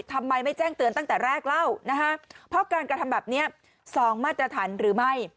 ทำไมไม่แจ้งเตือนตั้งแต่แรกเล่านะฮะเพราะการกระทำแบบนี้สองมาตรฐานหรือไม่